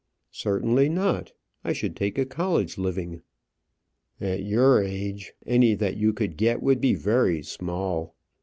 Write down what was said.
"Certainly not; I should take a college living." "At your age any that you could get would be very small.